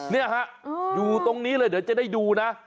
นี่ฮะอยู่ตรงนี้เลยเดี๋ยวจะได้ดูนะ